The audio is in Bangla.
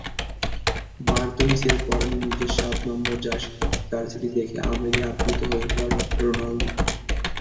মার্তুনিসের পরনে নিজের সাত নম্বর জার্সিটি দেখে আবেগে আপ্লুত হয়ে পড়েন রোনালদো।